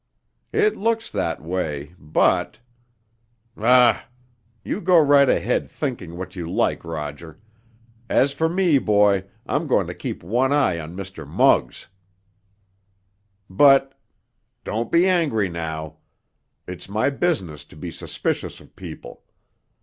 "It looks that way, but——" "Humph! You go right ahead thinking what you like, Roger. As for me, boy, I'm going to keep one eye on Mr. Muggs." "But——" "Don't be angry now. It's my business to be suspicious of people.